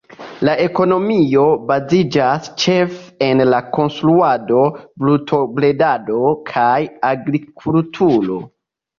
La ekonomio baziĝas ĉefe en la konstruado, brutobredado kaj agrikulturo.